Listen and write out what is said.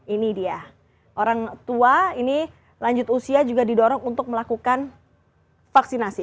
ini dia orang tua ini lanjut usia juga didorong untuk melakukan vaksinasi